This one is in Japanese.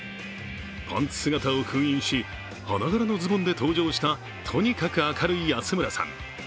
パンツ姿を封印し、花柄のズボンで登場したとにかく明るい安村さん。